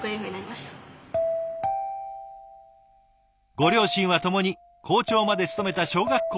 ご両親はともに校長まで務めた小学校の教員。